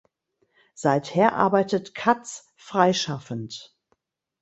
Seither arbeitet Cutts freischaffend.